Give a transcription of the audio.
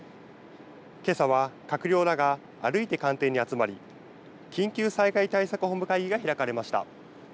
けさは閣僚らが歩いて官邸に集まり緊急災害対策本部会議が開かれました。